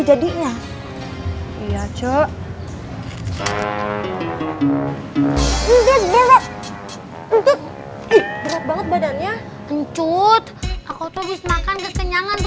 jadinya iya cuk ini bener bener untuk berat banget badannya pencut aku tuh bisa makan kekenyangan ya